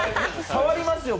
触りますよ